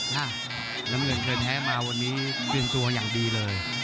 น้ำเหลืองเคยแท้มาวันนี้เปลี่ยนตัวอย่างดีเลย